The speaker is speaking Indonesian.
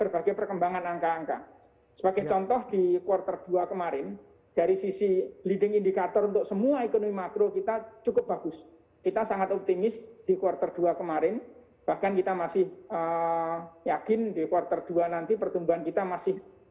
pembatasan mobilitas dan aktivitas